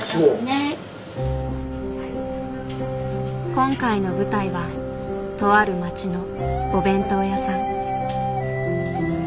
今回の舞台はとある町のお弁当屋さん。